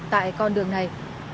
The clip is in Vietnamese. tại con đường này